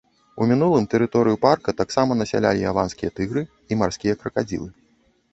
У мінулым тэрыторыю парка таксама насялялі яванскія тыгры і марскія кракадзілы.